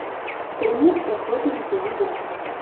Турнір праходзіў на сямі дошках.